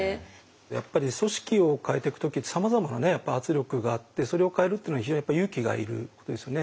やっぱり組織を変えてく時ってさまざまなねやっぱ圧力があってそれを変えるっていうのは非常にやっぱり勇気がいることですよね。